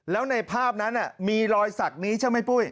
แล้วในภาพนั้นมีรอยสักนี้ใช่ไหมปุ้ย